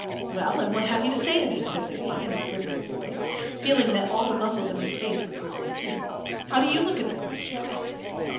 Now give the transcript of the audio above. "Well, and what have you to say to me?" said Levin in a quivering voice, feeling that all the muscles of his face were quivering too. "How do you look at the question?"